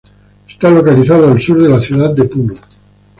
Está localizado al sur de la ciudad de Puno.